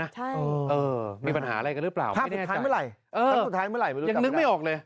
ครั้งสุดท้ายเมื่อไหร่ยังนึกไม่ออกเลย